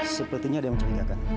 sepertinya ada yang mencurigakan